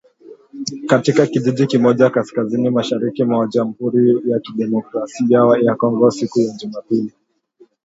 katika kijiji kimoja kaskazini mashariki mwa Jamhuri ya Kidemokrasi ya Kongo siku ya Jumapili